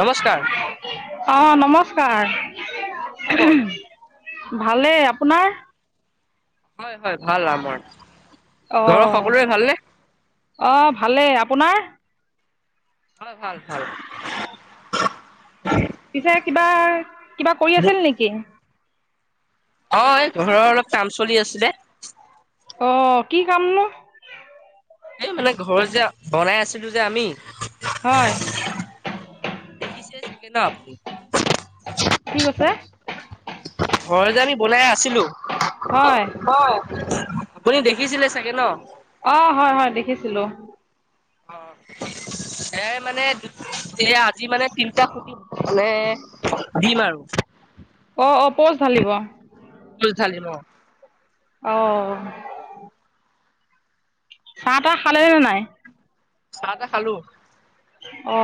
নমস্কাৰ অ নমস্কাৰ কি খবৰ ভালেই। আপোনাৰ? হয় হয় ভাল আমাৰ। ঘৰৰ সকলোৰে ভালনে? অঁ ভালেই। আপোনাৰ? হয় ভাল ভাল। পিছে কিবা কিবা কৰি আছিল নেকি? হয় ঘৰৰ অলপ কাম চলি আছিলে। অ, কি কাম নো? এই মানে ঘৰত যে বনাই আছিলো যে আমি, হয়। দেখিছে চাগে ন আপুনি? কি কৈছে? ঘৰ যে আমি বনাই আছিলো, হয় হয় আপুনি দেখিছিলে চাগে ন? অ হয় হয় দেখিছিলো। অ এ মানে এ আজি মানে তি টা খুটি পোটি মানে দিম আৰু। অঁ অঁ প'ষ্ট ঢালিব। পষ্ট ধালিম অ। অহ। চাহ তাহ খালে এই নাই? চাহ তাহ খালো অ!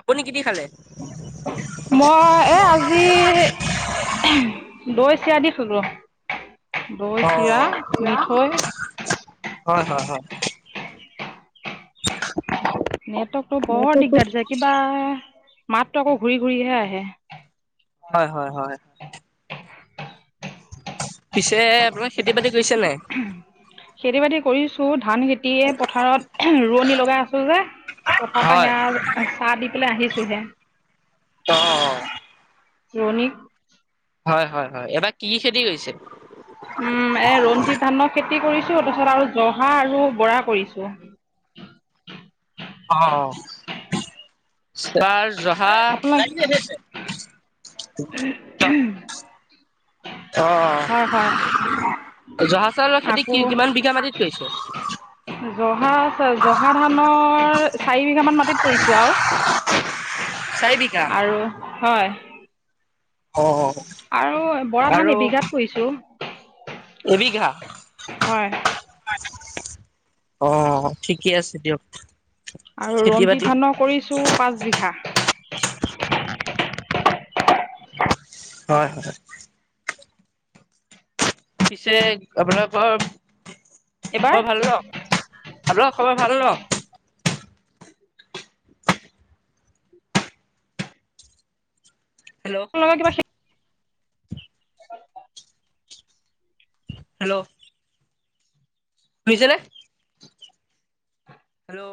আপুনি কি কি খালে? মই এ আজি দৈ চিৰা দি খালো। দৈ, অ চিৰা, মিঠৈ। হয় হয় হয়। নেটৱৰ্কতটো বৰ দিগদাৰ দিছে কিবা মাততো আকৌ ঘূৰি ঘূৰিহে আহে। হয় হয় হয় পিছে আপোনাৰ খেতি বাতি কৰিছে নাই? খেতি বাতি কৰিছোঁ ধান খে তি পথাৰত ৰোৱনী লগাই আছো যে পথাৰ পৰা হয় সেয়া অ চাহ দি পেলাই আহিছোহে। অ অ ৰোৱনীক হয় হয় হয় এবাৰ কি খেতি কৰিছে? উম এ ৰঞ্জিত ধানৰ খেতি কৰিছোঁ তাৰপিছত আৰু জহা আৰু বৰা কৰিছোঁ। অ অ এইবাৰ জহা আপোনাক [unintelligible] অ হয় হয় জহা চাউলৰ খেতি আকৌ কি কিমান বিঘা মাটিত কৰিছে? জহা জহা ধানৰ চাৰি বিঘামান মাটিত কৰিছোঁ আৰু চাৰি বিঘা আৰু হয় অ আৰু বৰা আৰু ধান এবিঘাত কৰিছোঁ। এবিঘা হয় অ ঠিকে আছে দিয়ক আৰু খেতি ৰঞ্জিত বাতি ধানৰ কৰিছো পাঁচ বিঘা। হয় হয় পিছে আপোনালোকৰ এইবাৰ বৰ ভাল ন। ভ খবৰ ভাল ন। হেল্লো। কিবা কিবা সেই। অ। হেল্ল' শুনিছে হেল্ল'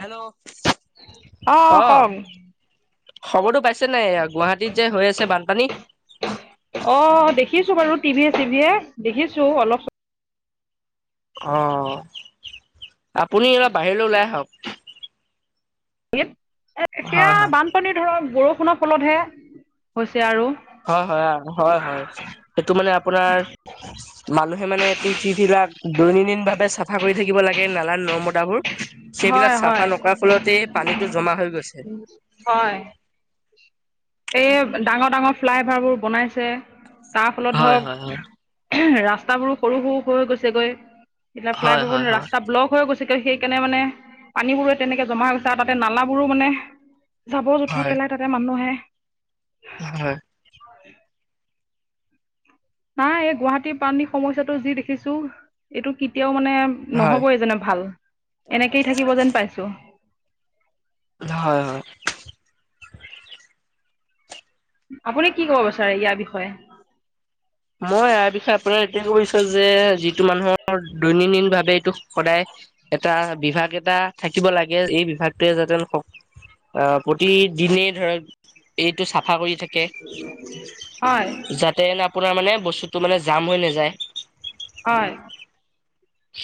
হেল্ল' অ আহ কওক খবৰটো পাইছে নাই গুৱাহাটীত যে হৈ আছে বানপানী অ দেখিছো বাৰু টিভিয়ে চিভিয়ে দেখিছোঁ অলপ অ আপুনি এইবাৰ বাহিৰলৈ ওলাই আহক এ হয় সেয়া হয় বানপানীৰ ধৰক বৰষুণৰ ফলতহে হৈছে আৰু হয় হয় হয় হয় সেইটো মানে আপোনাৰ মানুহে মানে এইটো যি বিলাক দৈনন্দিন ভাৱে চাফা কৰি থাকিব লাগে নালা নৰ্দমা তাবোৰ হয় সেইবিলাক হয় চাফা নকৰা ফলতেই পানীটো জমা হৈ গৈছে। হয় এই ডাঙৰ ডাঙৰ ফ্লাই অভাৰ বোৰ বনাইছে। তাৰ ফলত হয় ধৰক হয় ৰাস্তাবোৰো সৰু সৰু হৈ গৈছেগৈ। এতিয়া হয় হয় প্ৰায়বোৰ হয় ৰাস্তা ব্লক হৈ গৈছে। আজিকালি সেইকাৰণে মানে পানীবোৰো তেনেকে জমা হৈ গৈছে আৰু তাতে নালাবোৰো মানে। যাবৰ জোথৰ হয় পেলাই তাতে মানুহে। হয়। নাই এই গুৱাহাটীৰ পানীৰ সমস্যাটো যি দেখিছো এইটো কেতিয়াও মানে। হয় নহবই জেনে ভাল এনেকেই থাকিব যেন পাইছো। হয় হয়। আপুনি কি ক'ব বিচাৰে ইয়াৰ বিষয়ে। মই ইয়াৰ বিষয়ে আপোনাৰ এইটোৱেই ক'ব বিচাৰো যে, যিটো মানুহৰ দৈনন্দিনভাৱে এইটো সদায় এটা বিভাগ এটা থাকিব লাগে, এই বিভাগটোৱে যাতে। অ' প্ৰতিদিনে ধৰক এইটো চাফা কৰি ঠিকে, হয় যাতে আপোনাৰ মানে বস্তুতটো মানে জাম হৈ নাযায়। হয়।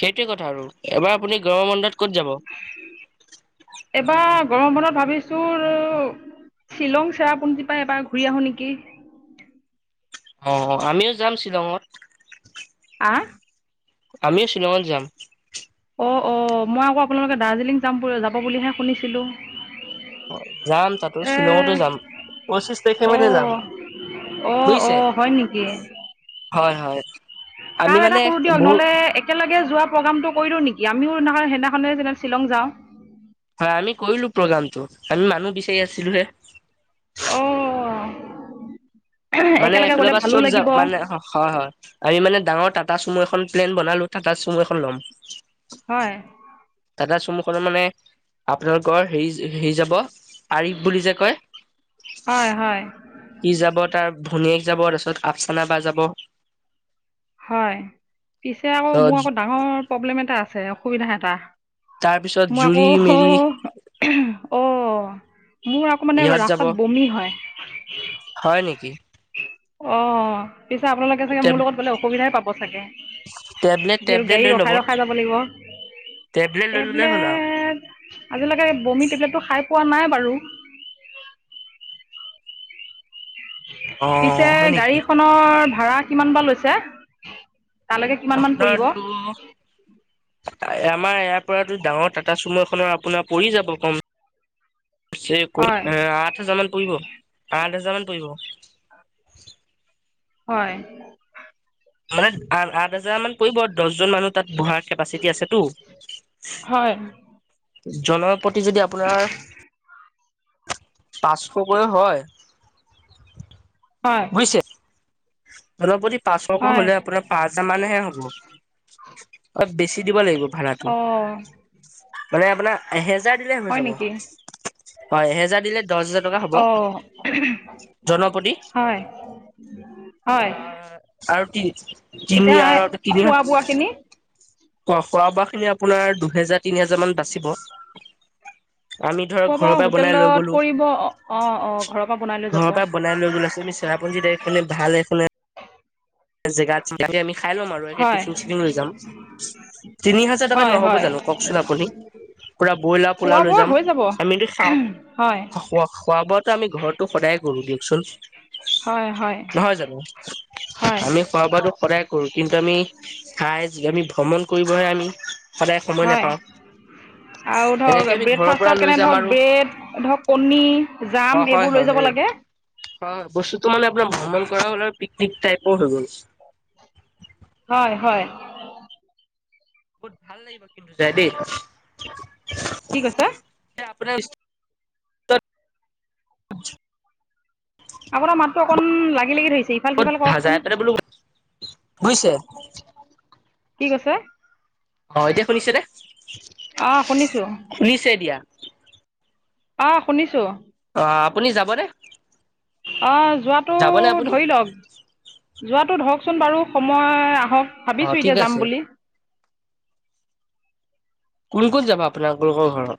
সেইটোৱে কথা আৰু এবাৰ আপুনি গৰম বন্ধত ক'ত যাব। এইবাৰ গৰম বন্ধত ভাবিছোঁ। শ্বিলং চেৰাপোনজিপা এবাৰ ঘূৰি আহো নেকি। অ' অ' আমিও যাম শ্বিলঙত। আ। আমিও শ্বিলঙত যাম। অ' অ' মই আকৌ আপোনালোকে দাৰ্জিলিং যাম যাব বুলিহে শুনিছিলোঁ। যাম তাতো এ শ্বিলঙতো যাম, পঁচিশ তাৰিখে মানে যাম। অ', অ', হয় নেকি? হয়-হয়। কাম এটা কৰোঁ দিয়ক, নহলে একেলগে যোৱা প্ৰগ্ৰামটো কৰিলওঁ নেকি? আমিও নহয় সেইদিখনে যেনে শ্বিলং যাওঁ। হয় আমি কৰিলোঁ প্ৰগ্ৰামটো, আমি মানুহ বিচাৰি আছিলোঁ হে। অ'। মানে এইফালৰ পৰা চব যাম মানে হয়-হয়। আমি মানোৰ ডাঙৰ টাটা চুমু এখন প্লেন বনালো, টাটা চুমু এখন ল'ম। হয়। টাটা চুমুখন মানে আপোনালোকৰ হেৰি-হেৰি যাব। আৰিফ বুলি যে কয়? হয় হয় সী যাব তাৰ ভনীয়েক যাব তাৰপিছত আফচানা বা যাব। হয়। পিছে আকৌ মোৰ আকৌ ডাঙৰ প্ৰব্লেম এটা আছে অসুবিধা এটা। তাৰ পিছত মই জুৰি আকৌ মেৰি অ', মোৰ আকৌ মানে ইহঁত যাব ৰাস্তাত বমি হয়। হয় নেকি? অ', পিছে আপোনালোকে চাগে মোৰ লগত গ'লে অসুবিধাই পাব চাগে? টেবলেট যিহেতু টেবলেট গাড়ী লৈ ল'ব ৰখাই ৰখা যাব লাগিব, টেবলেট লৈ ল'লে হ'ল আৰু টেবলেট আজিলৈকে বমি টেবলেটটো খাই পোৱা নাই বাৰু। অ পিছে হয় নেকি? গাড়ীখনৰ ভাড়া কিমান বা লৈছে? তাৰলৈকে কিমান মান পৰিব? আপোনাৰতো আমাৰ ইয়াৰ পৰাতো ডাঙৰ টাটা চুমু এখনৰ আপোনাৰ পৰি যাব কম পিছে হয় কত আঠ হাজাৰ মান পৰিব, আঠ হাজাৰ মান পৰিব। হয়। মানে আঠ-আঠ হাজাৰ মান পৰিব দহজন মানুহ তাত বহাৰ কেপাচিটি আছেতো। হয়। জনৰ প্ৰতি যদি আপোনাৰ পাঁচশ কৈয়ে হয়। হয়। হ'লেও [unintelligible] পাঁচশকৈ হয় হ'লে আপোনাৰ পাঁচ হাজাৰ মানহে হ'ব। অলপ বেছি দিব লাগিব ভাড়াটো। অ মানে আপোনাৰ এহেজাৰ দিলে হৈ হয় যাব। নেকি হয়, এহেজাৰ দিলে দছ হেজাৰ টকা হ'ব, অ জনপতি। হয় [inaudible] [unintelligible] আৰু এতিয়া কি খোৱা [unintelligible] বোৱাখিনি খ খোৱা বোৱা খিনি আপোনাৰ দুহেজাৰ তিনি হেজাৰ মান বাচিব। আমি ধৰ খোৱা বোৱা ঘৰৰ পৰা বনাই লৈ হোটেলত গ'লো, কৰিব অ অ ঘৰৰ পৰা বনাই লৈ যাব ঘৰৰ পৰা বনাই লৈ গ'লো আমি আপোন যেতিয়া খনে ভাল এখনে। জেগাতে আমি খাই ল'ম আৰু। হয় টিফিন চফিন লৈ যাম। তিনি হাজাৰ টকা হয় নহ'ব হয় জানো কওকচোন আপুনি? পুৰা ব্ৰইলাৰ, পোলাও খোৱা লৈ বোৱা যাম, হৈ যাব আমিতো হয় খাওঁ খোৱা বোৱাত আমি ঘৰটো সদায় কৰো দিয়কচোন, হয় হয় নহয় জানো। হয় আমি খোৱা বোৱাটো সদায় কৰো, কিন্তু আমি খাই আমি ভ্ৰমণ কৰিবহে আমি সদায় সময় হয় নাপাওঁ। আৰু এনেকে ধৰক আমি ঘৰৰ পৰা ব্ৰেকফাষ্টৰ লৈ কেনে যাম ধৰক আৰু ব্ৰেড ধৰক কণী। জাম অ হয় এইবোৰ হয় লৈ হয় যাব লাগে। হয় বস্তুতটো মানে আপোনাৰ ভ্ৰমণ কৰা হ'ল, আৰু পিকনিক টাইপও হৈ গ'ল। হয়, হয়। বহুত ভাল লাগিব, কিন্তু যাই দেই। কি কৈছা? আপোনাৰ আপোনাৰ মাতটো অকণমান লাগি লাগি ধৰিছে ইফাল -সিফাল যাই কৰকচোন। পেলাই বোলো বুজিছে? কি কৈছে? অ' এতিয়া শুনিছে নে? অ' শুনিছো। শুনিছে এতিয়া? অ' শুনিছো। অ' আপুনি যাবনে? অ' যোৱাটো যাবনে আপুনি ধৰি লওক যোৱাটো ধৰকচোন বাৰু সময় আহক। অ ভাবিছো ঠিক এতিয়া আছে যাম বুলি। কোন, কোন যাব আপোনালোকৰ ঘৰত।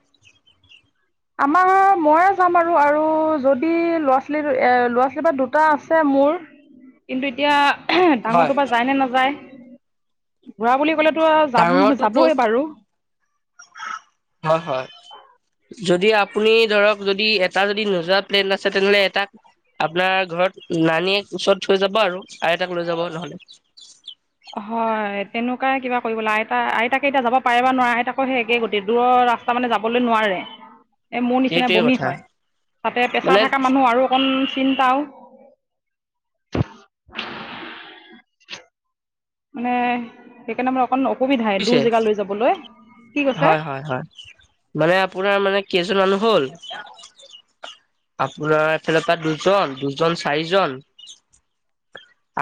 আমাৰ ময়ে যাম আৰু আৰু যদি ল'ৰা- ছোৱালী ল'ৰা- ছোৱালীৰ বা দুটা আছে মোৰ। কিন্তু এতিয়া আ হা হয় ডাঙৰটো বা যায় নে নাযায়। ঘুৰা বুলি ক'লেতো যাম ডাঙৰটোতো যাবইে বাৰু। হয়, হয়। যদি আপুনি ধৰক যদি এটা যদি নোযোৱা প্লেন আছে তেনেহ'লে এটা আপোনাৰ ঘৰত নানীয়ে ওচৰত থৈ যাব আৰু আইতাক লৈ যাব নহলে। হয়, তেনেকুৱাই কিবা কৰিব লা আইতা আইতাকে এতিয়া যাব পাৰে বা নোৱাৰে আইতাকো সেই একে গোটেই দূৰৰ ৰাস্ত তাৰমানে যাবলৈ নোৱাৰে। [unintelligible] এই মোৰ নিচিনা সেইটোৱে বমি কথা। হয়, তাতে মানে পেছাৰ থকা মানুহ আৰু অকণ চিন্তাও। মানে সেইকাৰণে মোৰ অকণ অসুবিধাই বুজিছে দূৰ জেগা লৈ যাবলৈ, কি কৈছো? হয়, হয়। মানে আপোনাৰ মানে, কেইজন মানুহ হ'ল আপোনাৰ এফালৰ পৰা দুজন- দুজন, চাৰিজন।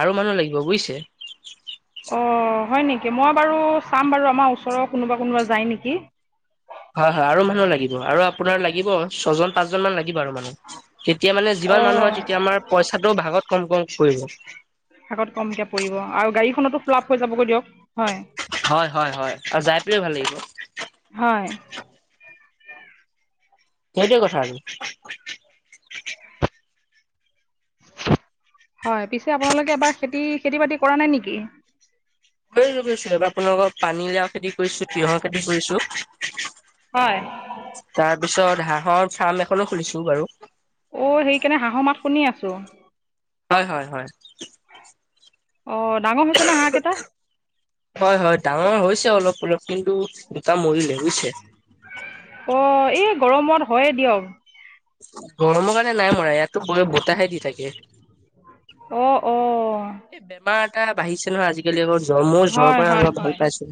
আৰু মানুহ লাগিব বুজিছে। অ' হয় নেকি? মই বাৰু চাম বাৰু আমাৰ ওচৰৰ কোনোবা কোনোবা যায় নেকি। হয়, হয় আৰু মানুহ লাগিব আৰু আপোনাৰ লাগিব ছয়জন, পাঁচজন মান লাগিব আৰু মানুহ। তেতিয়া মানে অ যিমান মানুহ হয় তেতিয়া আমাৰ পইচাটোও ভাগত কম, কম কৰিব। ভাগত কমকে পৰিব আৰু গাড়ীখনতো ফ্লাপ হৈ যাবগৈ দিয়ক। হয় হয়, হয়, হয় আৰু যাই পোনেও ভাল লাগিব। হয়। সেইটোৱে কথা আছিল। হয়, পিছে আপোনালোকে এবাৰ খেতি, খেতি- বাতি কৰা নাই নেকি? কৰিছো গৈছো আপোনালোকৰ পানীলাও খেতি। কৰিছো, তিহৰ খেতি কৰিছো। হয় তাৰপিছত হাঁহৰ ফাৰ্ম এখনো খুলিছো বাৰু। অ', সেইকাৰনে হাঁহৰ মাত শুনি আছো। হয় হয় হয়। অ' ডাঙৰ হৈছে নে হাঁহ কেইটা? হয়, হয় ডাঙৰ হৈছে অলপ অলপ কিন্তু দুটা মৰিলে বুজিছে। অ' এই গৰমত হয়ে দিয়ক। গৰমৰ কাৰণে নাই মৰা ইয়াতো বতাহে দি থাকে। অ', অ'। এই বেমাৰ এটা বাঢ়িছে নহয়, আজিকালি আকৌ জ্ব, মোৰ জ্বৰৰ হয় পৰা হয় অলপ হয় ভাল পাইছো।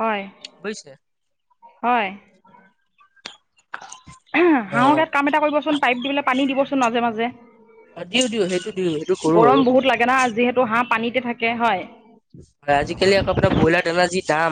হয়, বুজিছে হয়। হাঁহৰ গাত কাম এটা কৰিবচোন, পাইপ দি পেলে পেলাই পানী দিব চোন মাজে মাজে। দিও দিও সেইটো দিও, সেইটো কৰো গৰম আৰু। বহুত লাগে না যিহেতু হাঁহ পানীতে থাকে হয়। আজিকালি আকৌ আপোনাৰ ব্ৰইলাৰ দানা যি দাম।